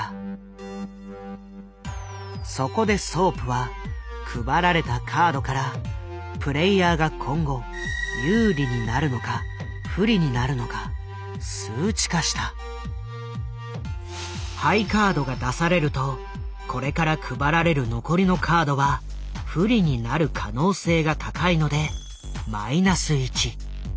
そこでソープは配られたカードからプレイヤーが今後ハイカードが出されるとこれから配られる残りのカードは不利になる可能性が高いので−１。